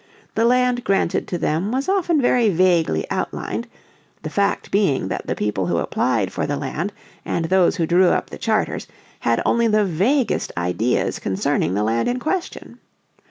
The land granted to them was often very vaguely outlined, the fact being that the people who applied for the land, and those who drew up the charters, had only the vaguest ideas concerning the land in question.